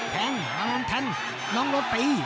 แผงบังร้อนแทนน้องรถตี